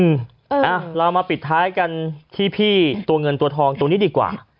เรามาปิดท้ายกันที่พี่ตัวเงินตัวทองตัวนี้ดีกว่า